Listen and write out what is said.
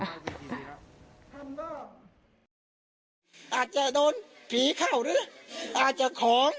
พี่ทีมข่าวของที่รักของ